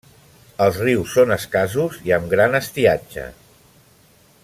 Els rius són escassos i amb gran estiatge.